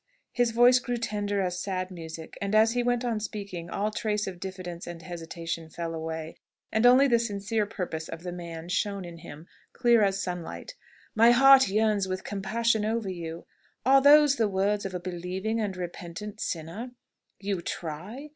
His voice grew tender as sad music, and, as he went on speaking, all trace of diffidence and hesitation fell away, and only the sincere purpose of the man shone in him clear as sunlight. "My heart yearns with compassion over you. Are those the words of a believing and repentant sinner? You 'try!'